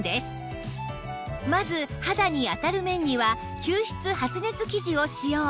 まず肌に当たる面には吸湿発熱生地を使用